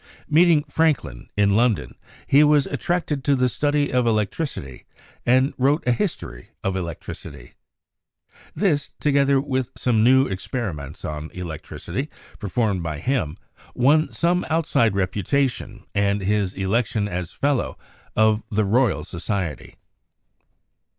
Meeting Franklin in London, he was attracted to the study of electricity, and wrote a history of electricity. This, together with some new ex periments on electricity performed by him, won some out side reputation and his election as Fellow of the Royal Society.